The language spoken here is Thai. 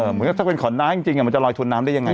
เหมือนกับถ้าเป็นขอนน้ำจริงมันจะลอยชนน้ำได้ยังไง